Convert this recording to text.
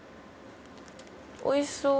おいしそう。